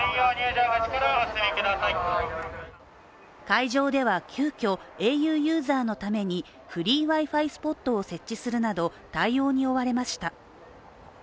会場では急きょ、ａｕユーザーのためにフリーＷｉ−Ｆｉスポットを設置するなど対応に追われました。